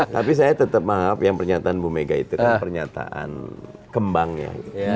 tapi saya tetap maaf yang pernyataan bu mega itu kan pernyataan kembangnya